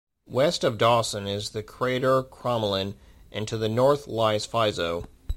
West of Dawson is the crater Crommelin, and to the north lies Fizeau.